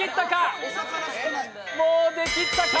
もう出きったか！